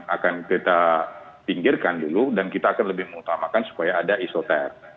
akan kita pinggirkan dulu dan kita akan lebih mengutamakan supaya ada isoter